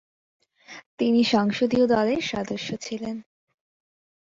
তিনি সংসদীয় দলের সদস্য ছিলেন।